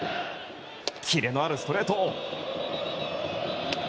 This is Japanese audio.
キレのあるストレート！